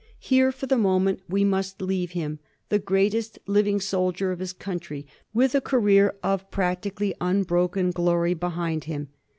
Here for the moment we must leave him, the greatest living soldier of his country, with a career of practically unbroken glory behind him.